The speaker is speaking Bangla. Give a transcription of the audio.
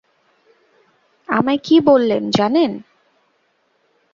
আমায় কী বললেন জানেন?